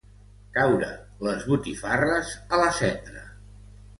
Caure les botifarres a la cendra.